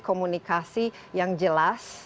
komunikasi yang jelas